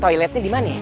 toiletnya di mana ya